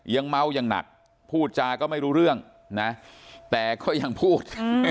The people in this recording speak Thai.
ยังเมาอย่างหนักพูดจาก็ไม่รู้เรื่องนะแต่ก็ยังพูด